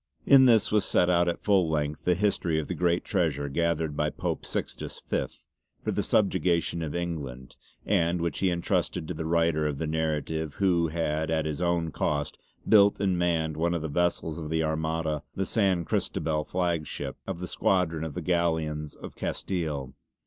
In this was set out at full length the history of the great Treasure gathered by Pope Sixtus Fifth for the subjugation of England, and which he entrusted to the writer of the narrative who had at his own cost built and manned one of the vessels of the Armada the San Cristobal flagship of the Squadron of the Galleons of Castile.